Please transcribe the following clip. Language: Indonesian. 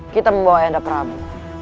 kita membawa enda prabu